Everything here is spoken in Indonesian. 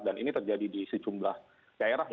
ke daerah ya